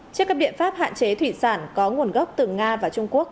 trước các biện pháp hạn chế thủy sản có nguồn gốc từ nga và trung quốc